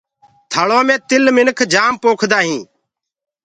ٿݪيٚ مي تل منک تِل جآم پوکدآ هينٚ۔